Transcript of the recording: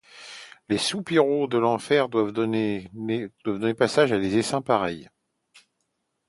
Les soupiraux de l’enfer doivent donner passage à des essaims pareils.